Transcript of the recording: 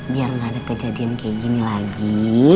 biar nggak ada kejadian kayak gini lagi